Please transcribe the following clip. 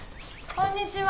こんにちは。